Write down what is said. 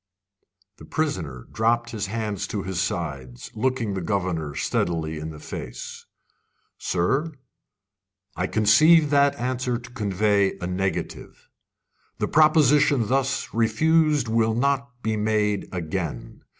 The prisoner dropped his hands to his sides, looking the governor steadily in the face. "Sir, I conceive that answer to convey a negative. The proposition thus refused will not be made again.